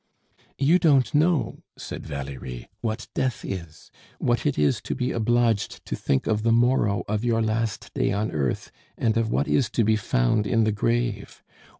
"You don't know," said Valerie, "what death is; what it is to be obliged to think of the morrow of your last day on earth, and of what is to be found in the grave.